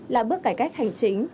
là bước cải cách hành chính